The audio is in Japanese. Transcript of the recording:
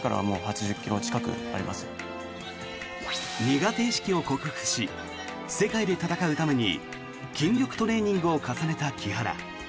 苦手意識を克服し世界で戦うために筋力トレーニングを重ねた木原。